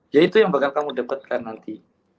ya itu yang bakal kamu dapatkan nanti